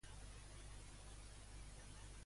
Saps si accepten comandes a domicili a l'Starbucks?